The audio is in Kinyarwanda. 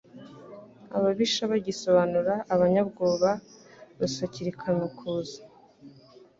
Ababisha bagisobanura abanyabwoba rusarikanamakuza